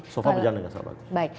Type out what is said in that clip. so far berjalan dengan sangat bagus